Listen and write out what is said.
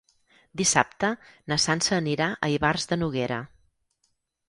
Dissabte na Sança anirà a Ivars de Noguera.